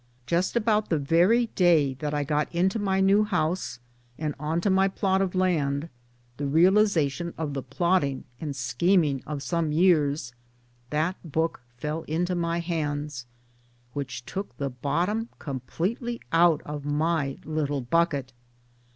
Just about the very, * day that I got into my new house and onto my plot of land the realization of the plotting and scheming of some years that book fell into my hands, which took the bottom completely out of my little bucket